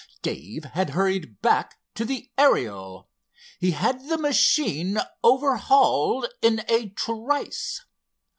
Dave had hurried back to the Ariel. He had the machine overhauled in a trice.